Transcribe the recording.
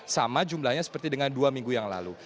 sama jumlahnya seperti dengan dua minggu yang lalu